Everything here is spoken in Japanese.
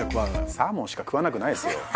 サーモンしか食わなくないですよ